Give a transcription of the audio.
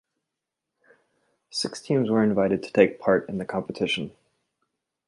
Six teams were invited to take part in the competition.